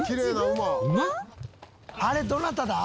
あれどなただ？